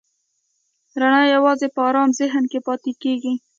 رڼا یواځې په آرام ذهن کې پاتې کېږي.